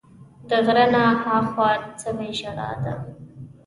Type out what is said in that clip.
د غره نه ها خوا سوې ژړا ده